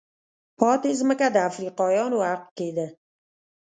پاتې ځمکه د افریقایانو حق کېده.